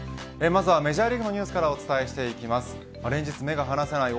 まずはメジャーリーグのニュースからお伝えします。